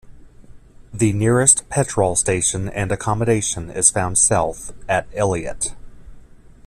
The nearest petrol station and accommodation is found south at Elliott.